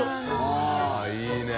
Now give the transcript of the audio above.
あっいいね。